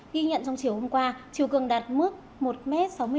ghi nhận trong chiều hôm qua chiều cường đạt mức một m sáu mươi m